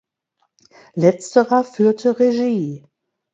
Letzterer führte Regie.